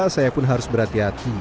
saya pun harus berhati hati